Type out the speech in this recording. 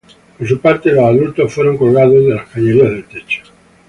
Por su parte, los adultos fueron colgados de las cañerías del techo.